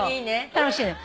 楽しいのよ。